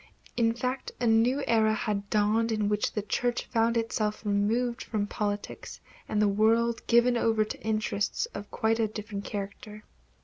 In fact a new era had dawned in which the Church found itself removed from politics and the world given over to interests of quite a different character.